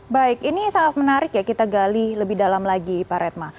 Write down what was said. baik ini sangat menarik ya kita gali lebih dalam lagi pak redma